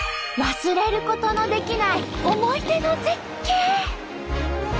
忘れることのできない思い出の絶景！